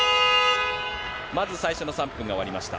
まず最初の３分が終わりました。